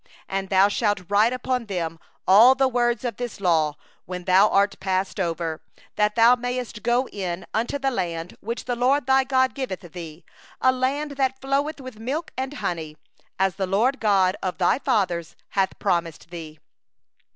3And thou shalt write upon them all the words of this law, when thou art passed over; that thou mayest go in unto the land which the LORD thy God giveth thee, a land flowing with milk and honey, as the LORD, the God of thy fathers, hath promised thee.